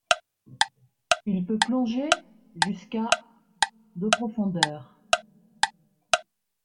Il peut plonger jusqu'à de profondeur.